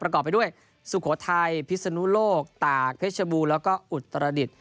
ไปด้วยสุโขทัยพิศนุโลกตากเพชรบูรณ์แล้วก็อุตรดิษฐ์